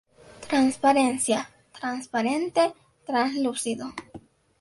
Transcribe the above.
Transparencia: Transparente, translúcido.